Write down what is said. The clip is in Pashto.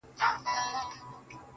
زما زړه په محبت باندي پوهېږي.